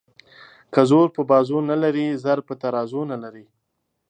ـ که زور په بازو نه لري زر په ترازو نه لري.